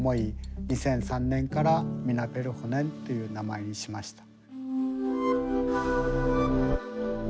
２００３年から「ミナペルホネン」という名前にしました。